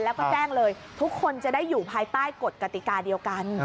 แล้วก็แจ้งเลยทุกคนจะได้อยู่ภายใต้กฎกติกาเดียวกัน